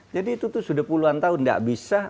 jadi itu sudah puluhan tahun tidak bisa